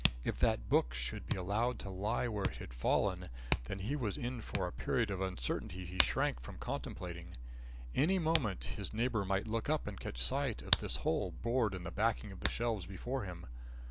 If that book should be allowed to lie where it had fallen, then he was in for a period of uncertainty he shrank from contemplating. Any moment his neighbour might look up and catch sight of this hole bored in the backing of the shelves before him.